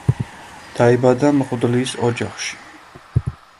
დაიბადა მღვდლის ოჯახში.